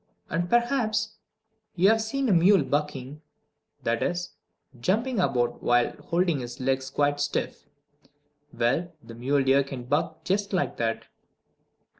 And perhaps you have seen a mule bucking that is, jumping about while holding his legs quite stiff. Well, the mule deer can buck just like that.